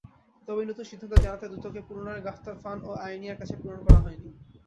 তবে এই নতুন সিদ্ধান্ত জানাতে দূতকে পুনরায় গাতফান ও আইনিয়ার কাছে প্রেরণ করা হয়নি।